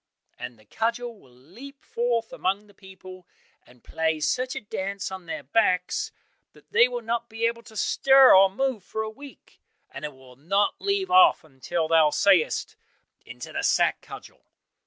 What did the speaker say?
and the cudgel will leap forth among the people, and play such a dance on their backs that they will not be able to stir or move for a week, and it will not leave off until thou sayest, 'Into the sack, Cudgel!